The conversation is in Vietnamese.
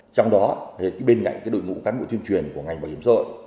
trong đó bên cạnh đội ngũ cán bộ tuyên truyền của ngành bảo hiểm xã hội